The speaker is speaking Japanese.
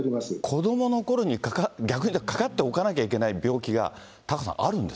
子どものころに、逆にかかっておかなきゃいけない病気がタカね。